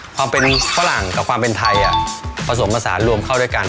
ความเป็นฝรั่งกับความเป็นไทยผสมผสานรวมเข้าด้วยกัน